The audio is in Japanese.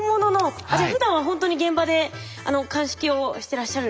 じゃあふだんはほんとに現場で鑑識をしてらっしゃるんですね。